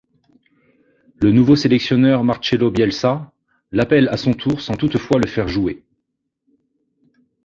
Le nouveau sélectionneur Marcelo Bielsa, l'appel à son tour sans toutefois le faire jouer.